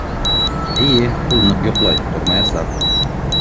— Эйе, ул ныҡ йоҡлай, тормаясаҡ.